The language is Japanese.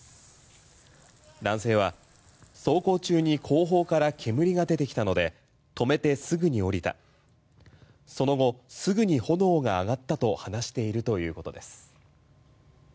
男性は、走行中に後方から煙が出てきたので止めてすぐに降りたその後、すぐに炎が上がったと話しているということです。